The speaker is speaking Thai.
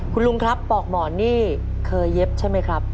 คุณลุงครับปอกหมอนนี่เคยเย็บใช่ไหมครับ